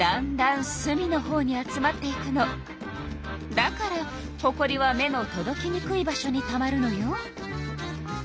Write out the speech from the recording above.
だからほこりは目のとどきにくい場所にたまるのよ。